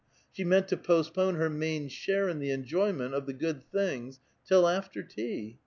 She meant to l)ostpi)ne her main share in the enjoyment of the good things till after tea.